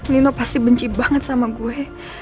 nino pasti benci banget sama gue